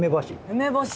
梅干し。